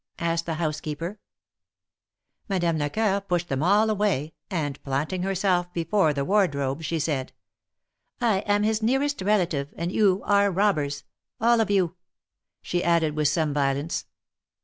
asked the housekeeper. Madame Lecoeur pushed them all away and planting herself before the wardrobe she said :" I am his nearest relative, and you are robbers ! all of you !" she added, with some violence.